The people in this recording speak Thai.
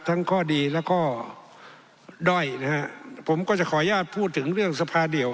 ข้อดีแล้วก็ด้อยนะฮะผมก็จะขออนุญาตพูดถึงเรื่องสภาเดียว